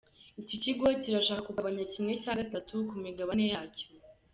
Iki kigo kirashaka kugabanya kimwe cya gatatu ku migabane yacyo.